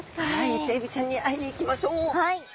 イセエビちゃんに会いに行きましょう！